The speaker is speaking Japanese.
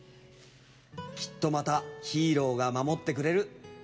きっとまたヒーローが守ってくれる。